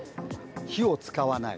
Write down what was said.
火を使わない。